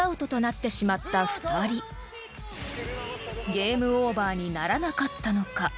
［ゲームオーバーにならなかったのか？］